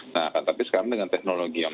nah tapi sekarang dengan teknologi yang